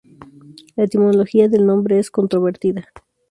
La etimología del nombre es controvertida.